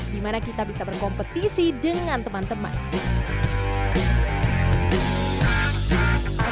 dimana kita bisa berkompetisi dengan teman teman